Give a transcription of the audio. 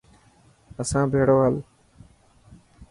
اسان بهڙو هل.